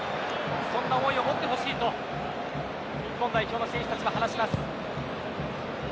そんな思いを持ってほしいと日本代表の選手たちは話します。